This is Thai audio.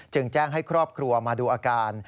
แจ้งให้ครอบครัวมาดูอาการ